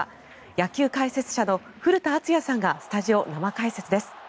野球解説者の古田敦也さんがスタジオ生解説です。